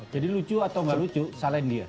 jadi lucu atau nggak lucu salen dia